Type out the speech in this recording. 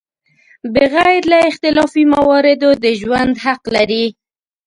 بغیر له اختلافي مواردو د ژوند حق لري.